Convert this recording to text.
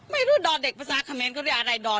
ไม่รู้ดเด็กประสานะเขาเรียกอะไร